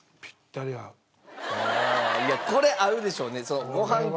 いやこれ合うでしょうねご飯系。